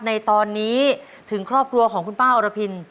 ในตอนนี้ถึงครอบครัวของคุณป้าอรพิน